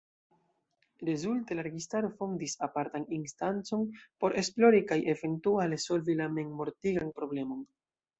Rezulte la registaro fondis apartan instancon por esplori kaj eventuale solvi la memmortigan problemon.